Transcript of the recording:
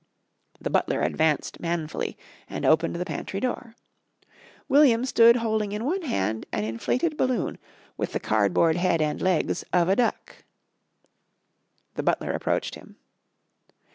The butler advanced manfully and opened the pantry door. William stood holding in one hand an inflated balloon with the cardboard head and legs of a duck. The butler approached him.